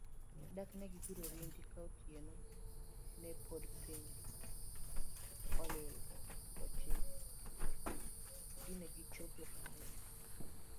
Dak ne giguro orindi, ka otieno ne podipiny olil to chil, dine gichomo kanye?